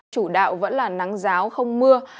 chủ đạo vẫn là nắng ráo không mưa